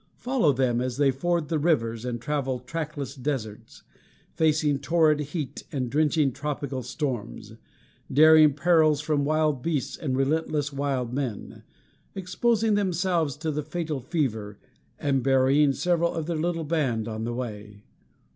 Follow them as they ford the rivers and travel trackless deserts; facing torrid heat and drenching tropical storms; daring perils from wild beasts and relentless wild men; exposing themselves to the fatal fever, and burying several of their little band on the way.